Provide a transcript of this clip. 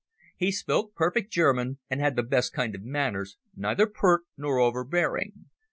He spoke perfect German, and had the best kind of manners, neither pert nor overbearing.